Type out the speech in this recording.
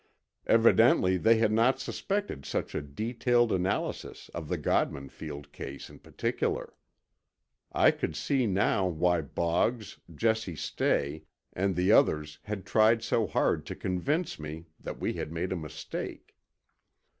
Evidently, they had not suspected such a detailed analysis of the Godman Field case, in particular. I could see now why Boggs, Jesse Stay, and the others had tried so hard to convince me that we had made a mistake.